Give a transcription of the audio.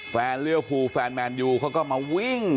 เลี้ยวภูแฟนแมนยูเขาก็มาวิ่ง